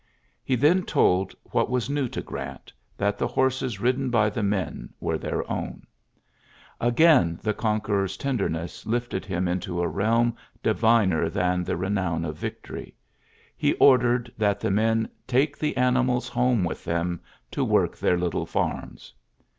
'' He then t what was new to Grants that the ho] ridden by the men were their o ^ Again the conqueror's tenderness lii him into a realm diviner than the nown of victory. He ordered that men ^^taike the a.n1ma.ls home with tfa to work their little farms."